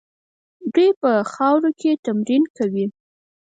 دوی په خاورو کې تمرین کوي.